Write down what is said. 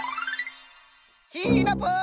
シナプー！